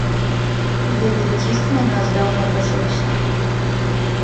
Гэты ціск на нас даўно пачаўся.